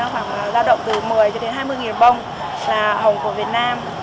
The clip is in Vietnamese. nó khoảng giao động từ một mươi hai mươi bông là hồng của việt nam